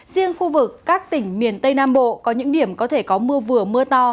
riêng khu vực các tỉnh miền tây nam bộ có những điểm có thể có mưa vừa mưa to